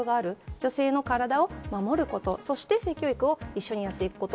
女性の体を守ること、そして性教育を一緒にやっていくこと。